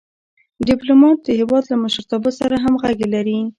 ډيپلومات د هېواد له مشرتابه سره همږغي لري.